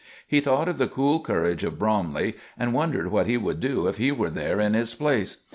He thought of the cool courage of Bromley, and wondered what he would do if he were there in his place.